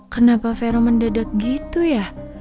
kenapa vero mendadak gitu ya